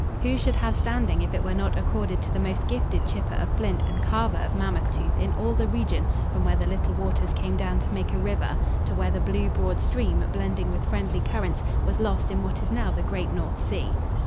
Who should have standing if it were not accorded to the most gifted chipper of flint and carver of mammoth tooth in all the region from where the little waters came down to make a river, to where the blue, broad stream, blending with friendly currents, was lost in what is now the great North Sea?